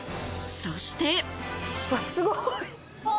そして。